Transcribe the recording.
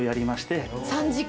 ３時間。